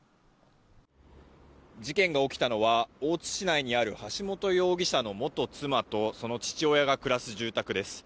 事件が起きたのは大津市内にある橋本容疑者の元妻とその父親が暮らす住宅です。